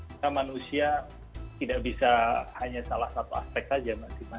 kita manusia tidak bisa hanya salah satu aspek saja